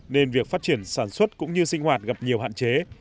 nên việc phát triển sản xuất cũng như sinh hoạt gặp nhiều hạn chế